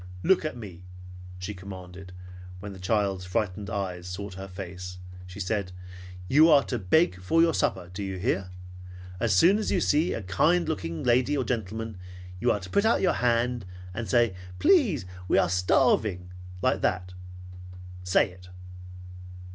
"Look at me!" she commanded, and when the child's frightened eyes sought her face she said, "You are to beg for your supper, do you hear? As soon as you see a kind looking lady or gentleman, you are to put out your hand, and say, 'Please, we are starving,' like that. Say it!"